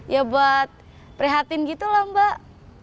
ya buat prihatin gitu lah mbak